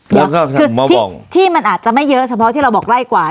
ก็คือที่มันอาจจะไม่เยอะเฉพาะที่เราบอกไล่กว่า